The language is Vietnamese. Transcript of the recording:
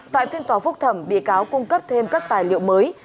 tại phiên tòa phúc thẩm bị cáo cung cấp thêm các tài liệu mới